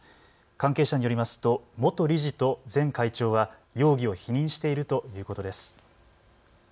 関係者によりますと元理事と前会長は容疑を否認しているということです。